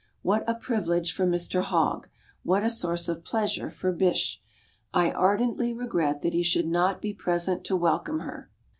What a privilege for Mr Hogg, what a source of pleasure for Bysshe. I ardently regret that he should not be present to welcome her.